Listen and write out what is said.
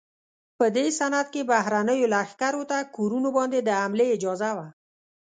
په دې سند کې بهرنیو لښکرو ته کورونو باندې د حملې اجازه وه.